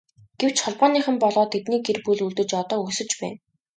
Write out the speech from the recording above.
Гэвч Холбооныхон болоод тэдний гэр бүл үлдэж одоо өлсөж байна.